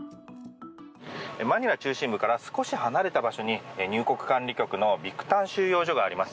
マニラ中心部から少し離れた場所に入国管理局のビクタン収容所があります。